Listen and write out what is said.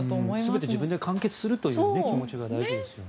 全て自分で完結するという気持ちが大事ですよね。